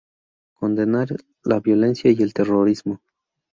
Condenar la violencia y el terrorismo.